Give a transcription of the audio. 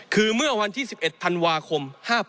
คือเมื่อวันที่๑๑ธันวาคม๕๘